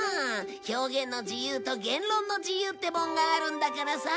表現の自由と言論の自由ってもんがあるんだからさ。